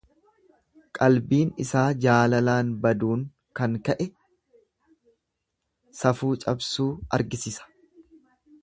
Qalbiin isaa jaalalaan baduun kan ka'e, safuu cabsuu argisisa.